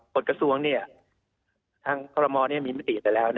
กฎกระทรวงทางกรมมมีปฏิเสร็จแล้ว